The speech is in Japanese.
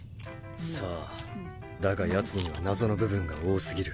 さぁだがヤツには謎の部分が多過ぎる。